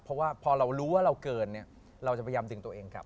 เพราะว่าพอเรารู้ว่าเราเกินเนี่ยเราจะพยายามดึงตัวเองกลับ